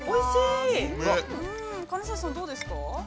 ◆金指さん、どうですか？